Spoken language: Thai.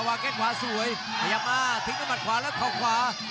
วางแก้นขวาสวยพยายามมาทิ้งต้นมัดขวาแล้วเข้าขวา